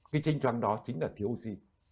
cái chênh choáng đó chính là thiếu oxy